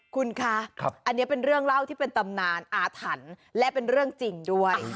คุณคะอันนี้เป็นเรื่องเล่าที่เป็นตำนานอาถรรพ์และเป็นเรื่องจริงด้วย